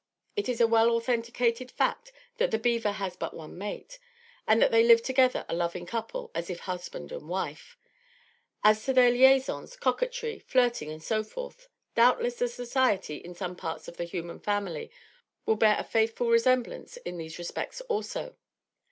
It is a well authenticated fact that the beaver has but one mate; and, that they live together a loving couple, as if husband and wife. As to their liaisons, coquetry, flirting and so forth, doubtless the society in some parts of the human family will bear a faithful resemblance in these respects also.